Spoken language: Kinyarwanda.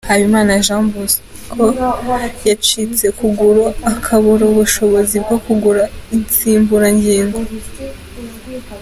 Habimana Jean Bosco, wacitse ukuguru akabura ubushobozi bwo kugura insimburangingo.